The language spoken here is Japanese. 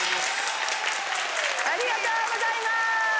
ありがとうございます！